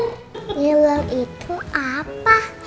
ngiler itu apa